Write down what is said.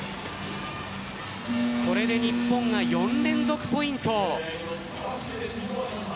これで日本が４連続ポイント。